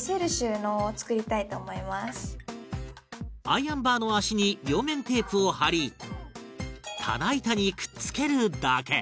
アイアンバーの脚に両面テープを貼り棚板にくっつけるだけ